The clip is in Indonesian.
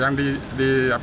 yang dibawa orang berapa pak